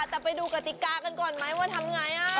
แต่ไปดูกติกากันก่อนไหมว่าทำไง